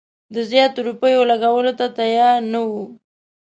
د زیاتو روپیو لګولو ته تیار نه وو.